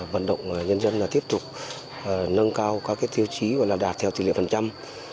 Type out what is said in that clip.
vận động nhân dân tiếp tục nâng cao các tiêu chí đạt theo tỷ lệ phần trăm